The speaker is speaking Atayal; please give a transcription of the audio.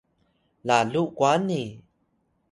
lalu kwani?